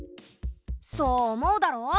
そう思うだろ。